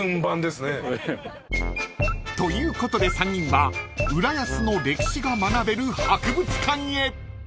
［ということで３人は浦安の歴史が学べる博物館へ］